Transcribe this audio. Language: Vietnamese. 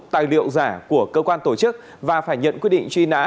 tài liệu giả của cơ quan tổ chức và phải nhận quyết định truy nã